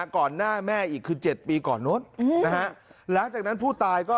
ก่อนหน้าแม่อีกคือ๗ปีก่อนโน้นนะฮะหลังจากนั้นผู้ตายก็